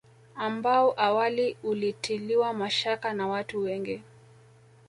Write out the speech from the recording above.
Ambao awali ulitiliwa mashaka na watu wengi